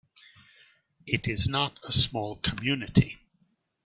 It is not a small community.